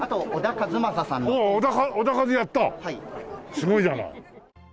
すごいじゃない。